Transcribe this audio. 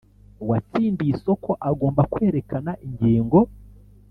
Uwatsindiye isoko agomba kwerekana ingingo